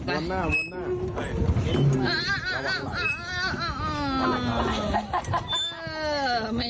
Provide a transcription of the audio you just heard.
เอ้อไป